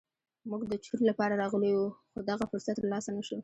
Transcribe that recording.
موږ د چور لپاره راغلي وو خو دغه فرصت تر لاسه نه شو.